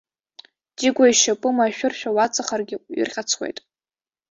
Дигәа ишьапы машәыршәа уаҵахаргьы уирҟьацуеит.